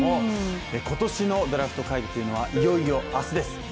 今年のドラフト会議っていうのは、いよいよ明日です。